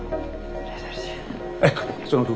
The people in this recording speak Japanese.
失礼します。